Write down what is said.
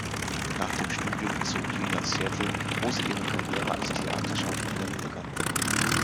Nach dem Studium zog Lee nach Seattle, wo sie ihre Karriere als Theaterschauspielerin begann.